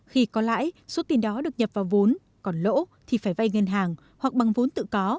khi có lãi số tiền đó được nhập vào vốn còn lỗ thì phải vay ngân hàng hoặc bằng vốn tự có